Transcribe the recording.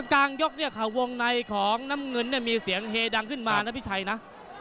กลางยกเนี่ยค่ะวงในของน้ำเงินเนี่ยมีเสียงเฮดังขึ้นมานะพี่ชัยนะ